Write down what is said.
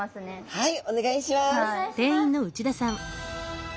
はい。